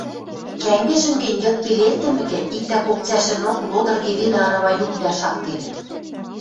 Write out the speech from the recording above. Кӓнгӹжӹм гӹнь, йыдпел эртӹмӹкӹ, иктӓ кок цӓшӹнок, лодырге веле арава юквлӓ шактенӹт.